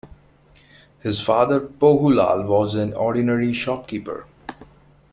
His father Pohu Lal, was an ordinary shopkeeper.